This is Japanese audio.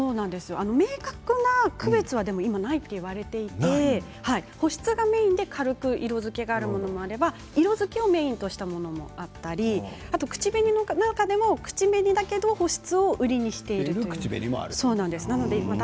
明確な区別はないと言われていて保湿がメインで軽く色づきがあるものもあれば色づきをメインとしたものもあったり口紅の中でも口紅だけど保湿を売りにしているというものもあります。